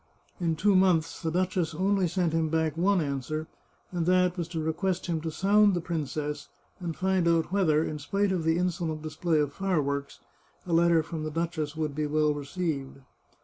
In two months the duchess only sent him back one an swer, and that was to request him to sound the princess, and find out whether, in spite of the insolent display of fireworks, a letter from the duchess would be well received.